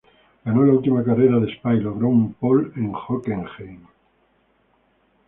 Ganó la última carrera de Spa y logró una "pole" en Hockenheim.